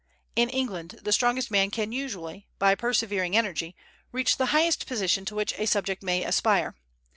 In England the strongest man can usually, by persevering energy, reach the highest position to which a subject may aspire.